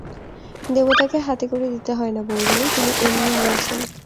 দেবতাকে হাতে করে দিতে হয় না বউরানী, তিনি এমনি নিয়েছেন।